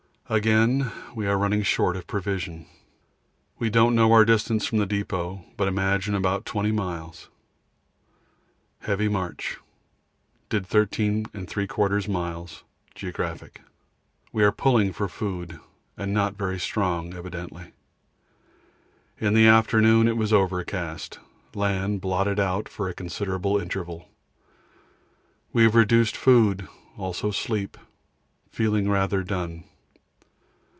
Again we are running short of provision. We don't know our distance from the depot, but imagine about 20 miles. Heavy march did 13 3/4 (geo.). We are pulling for food and not very strong evidently. In the afternoon it was overcast; land blotted out for a considerable interval. We have reduced food, also sleep; feeling rather done.